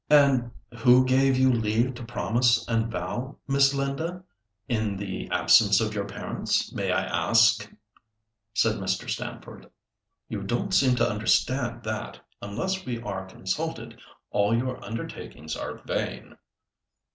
"And who gave you leave to promise and vow, Miss Linda, in the absence of your parents, may I ask?" said Mr. Stamford. "You don't seem to understand that, unless we are consulted, all your undertakings are vain."